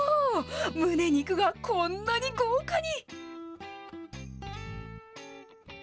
むね肉がこんなに豪華に。